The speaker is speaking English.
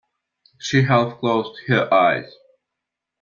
She half closed her eyes.